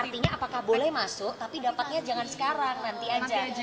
artinya apakah boleh masuk tapi dapatnya jangan sekarang nanti aja